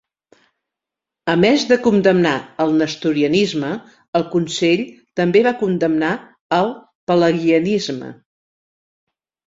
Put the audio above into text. A més de condemnar el Nestorianisme, el consell també va condemnar el Pelagianisme.